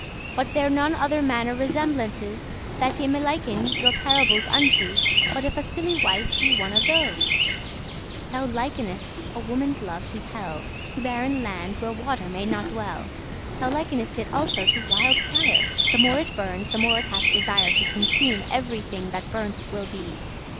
Be there *none other manner resemblances* *no other kind of That ye may liken your parables unto, comparison* But if a silly wife be one of tho?* *those Thou likenest a woman's love to hell; To barren land where water may not dwell. Thou likenest it also to wild fire; The more it burns, the more it hath desire To consume every thing that burnt will be.